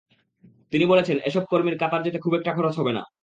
তিনি বলেছেন, এসব কর্মীর কাতার যেতে খুব একটা খরচ হবে না।